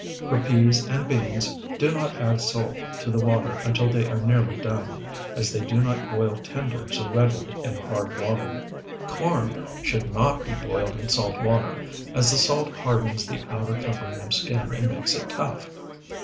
For peas and beans do not add salt to the water until they are nearly done, as they do not boil tender so readily in hard water. Corn should not be boiled in salt water, as the salt hardens the outer covering of skin and makes it tough.